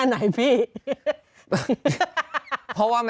อันดับแรก